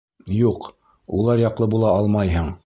Юҡ, улар яҡлы була алмайһың.